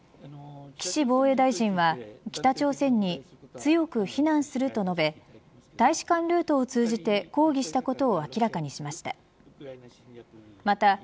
岸防衛大臣は北朝鮮に強く非難すると述べ大使館ルートを通じて抗議したことを明らかにしました。